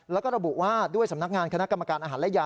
แล้วก็ระบุว่าด้วยสำนักงานคณะกรรมการอาหารและยา